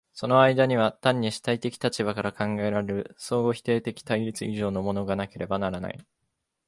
その間には単に主体的立場から考えられる相互否定的対立以上のものがなければならない。